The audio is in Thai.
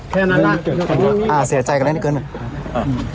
เกินมาอ่ะเสียใจแกล้ทีเกินมา